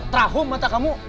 trahum mata kamu